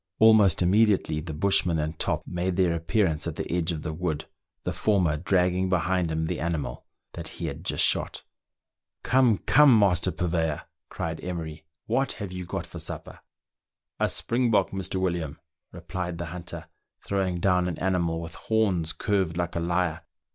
Almost immediately the bushman and Top made their appearance at the edge of the wood, the former dragging behind him the animal that he had just shot. " Come, come, master purveyor !" cried Emery, " what have you got for supper ?" "A springbok, Mr. William," replied the hunter, throwing down an animal with horns curved like a lyre.